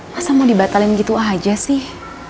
masa mau dibatalin gitu aja sih